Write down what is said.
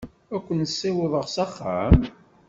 Ad ken-ssiwḍeɣ s axxam?